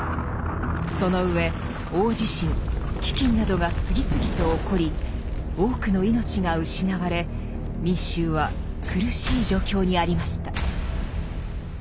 その上大地震飢饉などが次々と起こり多くの命が失われ民衆は苦しい状況にありました。